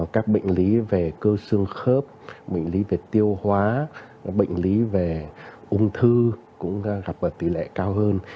các bệnh lý về cơ xương khớp bệnh lý về tiêu hóa bệnh lý về ung thư cũng gặp ở tỷ lệ cao hơn